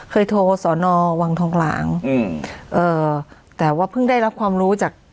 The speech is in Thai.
เคยโทรสอนอวังทองหลางอืมเอ่อแต่ว่าเพิ่งได้รับความรู้จาก